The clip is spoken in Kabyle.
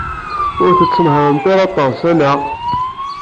Ur tettenhaṛemt ara aṭas, anaɣ?